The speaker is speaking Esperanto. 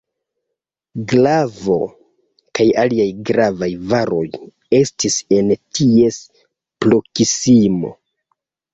Glavo kaj aliaj gravaj varoj estis en ties proksimo.